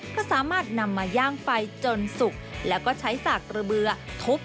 ก็สามารถนำมาย่างไฟจนสุกแล้วก็ใช้สากระเบือทุบ